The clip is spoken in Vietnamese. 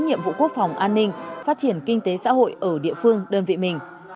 nhiệm vụ quốc phòng an ninh phát triển kinh tế xã hội ở địa phương đơn vị mình